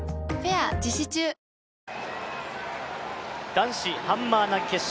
男子ハンマー投決勝